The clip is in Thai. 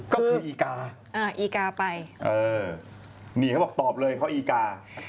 ก็คืออีกาอีกาไปเออนี่เขาบอกตอบเลยเพราะอีกา